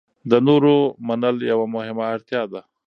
د نورو منل یوه مهمه اړتیا ده.